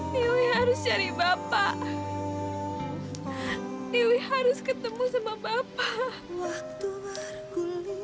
dewi harus cari bapak dewi harus ketemu sama bapak